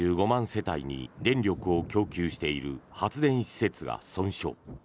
世帯に電力を供給している発電施設が損傷。